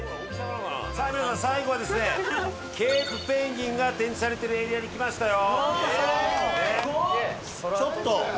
皆さん最後はですねケープペンギンが展示されてるエリアに来ましたよ。